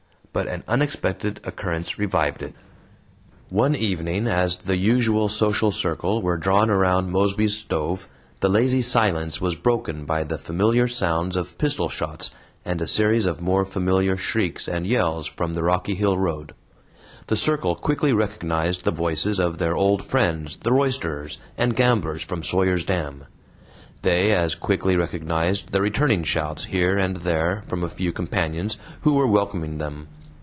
But an unexpected occurrence revived it. One evening, as the usual social circle were drawn around Mosby's stove, the lazy silence was broken by the familiar sounds of pistol shots and a series of more familiar shrieks and yells from the rocky hill road. The circle quickly recognized the voices of their old friends the roisterers and gamblers from Sawyer's Dam; they as quickly recognized the returning shouts here and there from a few companions who were welcoming them.